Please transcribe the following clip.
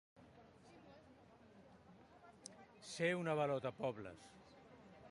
Ser un avalotapobles.